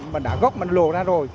mà đà gốc mà lồ ra rồi